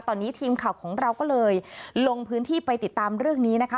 ตอนนี้ทีมข่าวของเราก็เลยลงพื้นที่ไปติดตามเรื่องนี้นะคะ